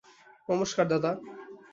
নমস্কার, দাদা।